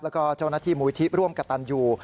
แล้วก็เจ้าหน้าที่มูลที่ร่วมกับตันยู